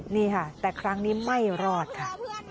นี่ค่ะแต่ครั้งนี้ไม่รอดค่ะ